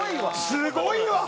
すごいわ！